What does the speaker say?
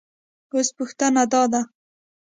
اوس پوښتنه دا ده